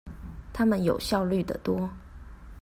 他們有效率的多